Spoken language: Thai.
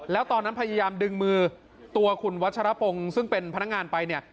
แล้วตอนนั้นพยายามดึงมือตัวคุณวัชรพงศ์ซึ่งเป็นพนักงานไปเนี่ย